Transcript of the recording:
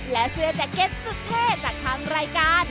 และเสื้อแจ็คเก็ตสุดเท่จากทางรายการ